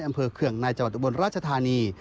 เคืองในจังหวัดอุบลราชธานี